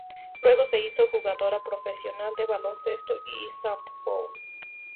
Luego se hizo jugadora profesional de baloncesto y softball.